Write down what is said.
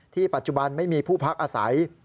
ปัจจุบันไม่มีผู้พักอาศัย